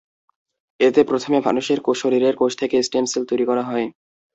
এতে প্রথমে মানুষের শরীরের কোষ থেকে স্টেম সেল তৈরি করা হয়।